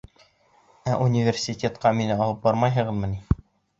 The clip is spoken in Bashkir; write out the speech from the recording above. — Ә университетҡа мине алып бармайһығыҙмы ни?